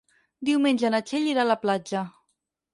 Diumenge na Txell irà a la platja.